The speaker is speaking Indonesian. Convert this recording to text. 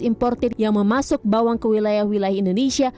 empat belas importer yang memasuk bawang ke wilayah wilayah indonesia